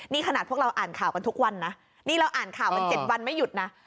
นี่ขนาดพวกเราอ่านข่าวกันทุกวันนะนี่เราอ่านข่าวกัน๗วันไม่หยุดนะ